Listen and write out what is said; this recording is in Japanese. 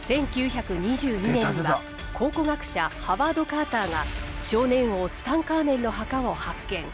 １９２２年には考古学者ハワード・カーターが少年王ツタンカーメンの墓を発見。